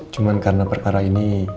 cuman karena perkara ini